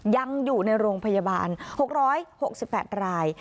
ยังอยู่ในโรงพยาบาล๖๖๘ราย